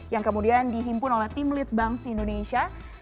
yang kemudian dihimpun oleh tim lead bank si indonesia